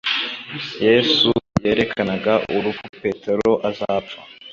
Yesu yerakanaga urupfu Petero azapfa;